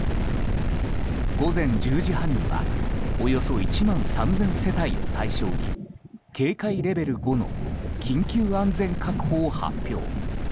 午前１０時半にはおよそ１万３０００世帯を対象に警戒レベル５の緊急安全確保を発表。